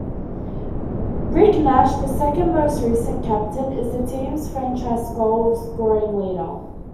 Rick Nash, the second-most recent captain, is the team's franchise goal scoring leader.